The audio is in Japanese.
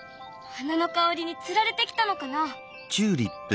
花の香りにつられて来たのかな？